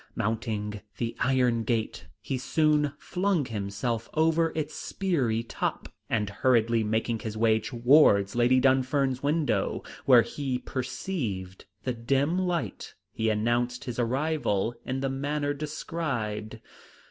Mounting the iron gate, he soon flung himself over its speary top, and hurriedly making his way towards Lady Dunfern's window, where he perceived the dim light, he announced his arrival in the manner described.